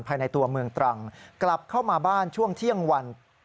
ภายในตัวเมืองตรังกลับเข้ามาบ้านช่วงเที่ยงวัน